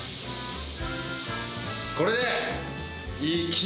これで。